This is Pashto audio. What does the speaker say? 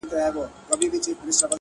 مجرم د غلا خبري پټي ساتي،